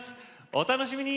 お楽しみに！